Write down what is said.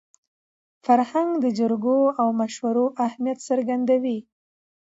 فرهنګ د جرګو او مشورو اهمیت څرګندوي.